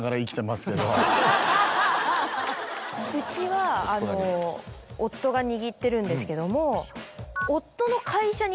うちは夫が握ってるんですけども。